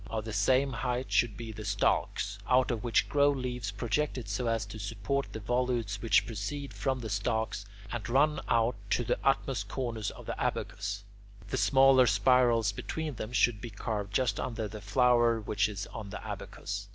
Of the same height should be the stalks, out of which grow leaves projected so as to support the volutes which proceed from the stalks, and run out to the utmost corners of the abacus; the smaller spirals between them should be carved just under the flower which is on the abacus.